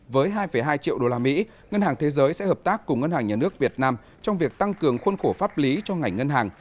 với hai hai triệu usd ngân hàng thế giới sẽ hợp tác cùng ngân hàng nhà nước việt nam trong việc tăng cường khuôn khổ pháp lý cho ngành ngân hàng